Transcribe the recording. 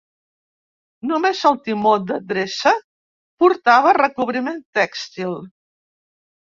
Només el timó d'adreça portava recobriment tèxtil.